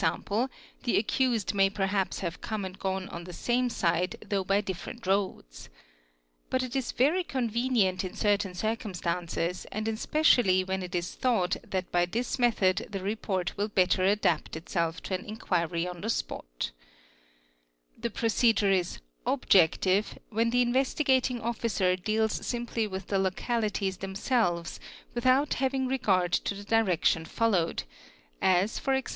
the accused may perhaps have come and gone n the same side though by different roads. But it is very convenient im certain circumstances and especially when it is thought that by this 5 em lala hee aetna "fs a Sepeienis dite : HO 4 aay it | EHR) EO nethod the report will better adapt itself to an enquiry on the spot. The procedure is '"'objective'' when the Investigating Officer deals ae with the localities themselves without having regard to the ection followed, as e.g.